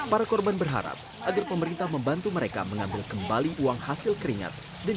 para korban berharap agar pemerintah membantu mereka mengambil kembali uang hasil keringat